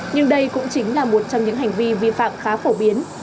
nhưng đây cũng chính là một trong những hành vi vi phạm khá phổ biến